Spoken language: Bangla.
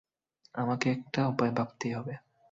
আমাকে একটা উপায় ভাবতেই হবে।